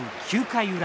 ９回裏。